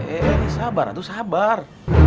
eh sabar atu sabar